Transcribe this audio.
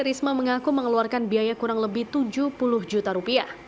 risma mengaku mengeluarkan biaya kurang lebih tujuh puluh juta rupiah